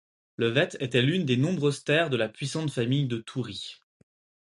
Levet était l'une des nombreuses terres de la puissante famille de Thoury.